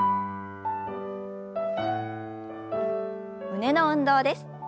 胸の運動です。